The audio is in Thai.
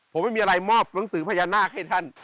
ผมไม่มีอะไรมอบหนังสือพญานาคให้ท่าน